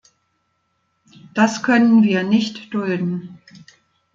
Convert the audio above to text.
Das können wir nicht dulden!